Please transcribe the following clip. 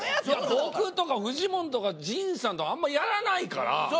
僕とかフジモンさんとか陣さんとかあんまりやらないから。